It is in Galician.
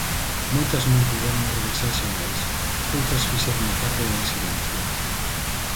Moitas non puideron regresar xamais, outras fixérono tarde e en silencio.